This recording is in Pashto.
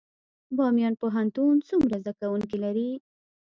بامیان پوهنتون څومره زده کوونکي لري؟